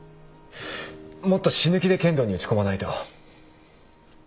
もっと死ぬ気で剣道に打ち込まないと。